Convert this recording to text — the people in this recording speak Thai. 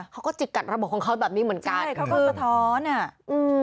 เขาก็จิกกัดระบบของเขาแบบนี้เหมือนกันใช่เขาก็สะท้อนอ่ะอืม